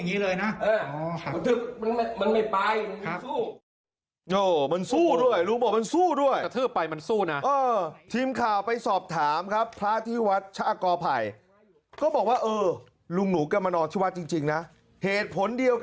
ครับผมมาอาบเฮ้ย